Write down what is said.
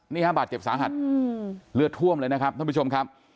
นี่ฮะบาดเจ็บสาหัสเลือดท่วมเลยนะครับท่านผู้ชมครับ